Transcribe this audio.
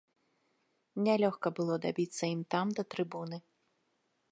Нялёгка было дабіцца ім там да трыбуны.